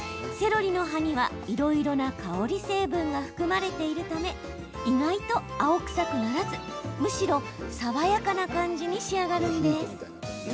セロリの葉には、いろいろな香り成分が含まれているため意外と青臭くならずむしろ爽やかな感じに仕上がるんです。